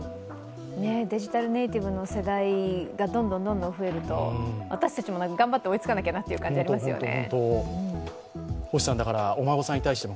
デジタルネイティブの世代がどんどん増えると私たちも頑張って追いつかなきゃなという感じありますよね。